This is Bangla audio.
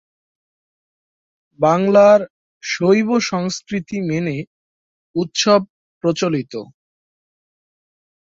বাংলার শৈব সংস্কৃতি মেনে অনেক উৎসব প্রচলিত।